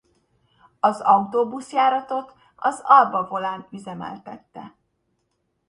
Az autóbuszjáratot a Alba Volán üzemeltette.